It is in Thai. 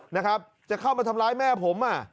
นะครับจะเข้ามาทำร้ายแม่ผมอ่ะ